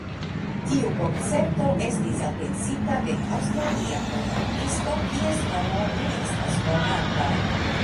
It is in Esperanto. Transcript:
Tiu koncepto estis elpensita de aŭstralia programisto, kies nomo ne estas konata.